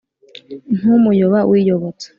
ntumuyoba wiyobotse